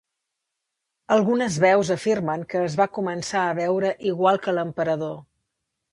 Algunes veus afirmen que es va començar a veure igual que l'emperador.